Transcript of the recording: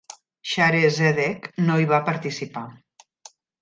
Shaare Zedek no hi va participar.